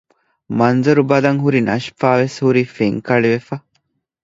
މަންޒަރު ބަލަން ހުރި ނަޝްފާ ވެސް ހުރީ ފެންކަޅިވެފަ